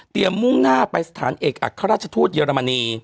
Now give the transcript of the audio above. มุ่งหน้าไปสถานเอกอัครราชทูตเยอรมนี